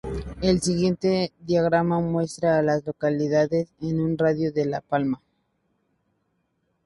El siguiente diagrama muestra a las localidades en un radio de de La Palma.